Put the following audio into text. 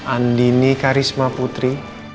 andini karisma putri